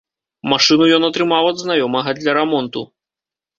Машыну ён атрымаў ад знаёмага для рамонту.